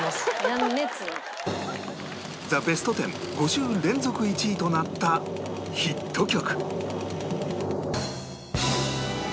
『ザ・ベストテン』５週連続１位となったヒット曲